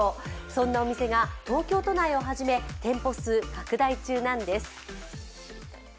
そんなお店が東京都内をはじめ店舗数拡大中なんです。